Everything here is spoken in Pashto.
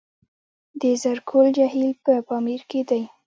د زرکول جهیل په پامیر کې دی